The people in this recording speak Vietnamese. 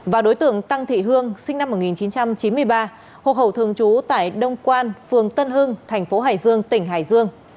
và đối tượng tăng thị hương sinh năm một nghìn chín trăm chín mươi ba hộ khẩu thường trú tại đông quan phường tân hưng thành phố hải dương tỉnh hải dương